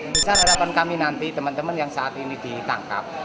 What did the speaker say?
besar harapan kami nanti teman teman yang saat ini ditangkap